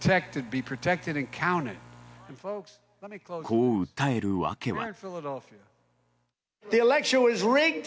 こう訴える訳は。